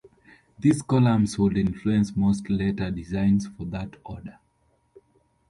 These columns would influence most later designs for that order.